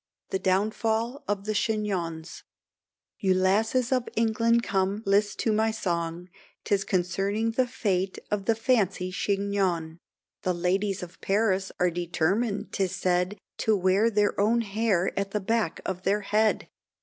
THE DOWNFALL OF CHIGNONS. You lasses of come list to my song, 'Tis concerning the fate of the fancy chignon; The ladies of Paris are determined 'tis said, To wear their own hair at the back of their head.